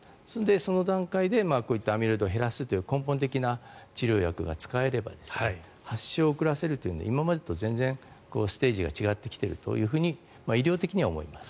その段階でアミロイドを減らすという根本的な治療薬が使えれば発症を遅らせるという今までとは全然ステージが違ってきていると医療的には思います。